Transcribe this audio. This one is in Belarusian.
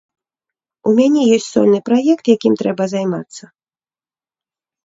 У мяне ёсць сольны праект, якім трэба займацца.